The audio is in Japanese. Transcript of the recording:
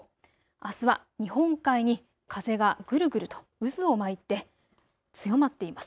あすは日本海に風がぐるぐると渦を巻いて強まっています。